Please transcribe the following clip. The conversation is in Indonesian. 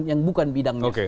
yang bukan bidangnya